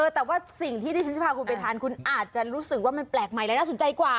แต่ว่าสิ่งที่ที่ฉันจะพาคุณไปทานคุณอาจจะรู้สึกว่ามันแปลกใหม่และน่าสนใจกว่า